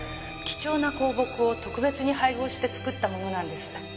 貴重な香木を特別に配合して作ったものなんです。